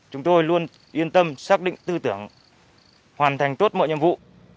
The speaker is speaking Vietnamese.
chúng tôi luôn yên tâm xác định tư tưởng hoàn thành tốt mọi nhiệm vụ